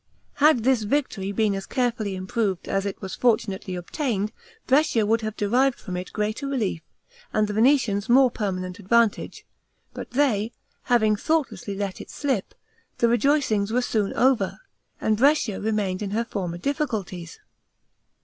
Had this victory been as carefully improved as it was fortunately obtained, Brescia would have derived from it greater relief and the Venetians more permanent advantage; but they, having thoughtlessly let it slip, the rejoicings were soon over, and Brescia remained in her former difficulties.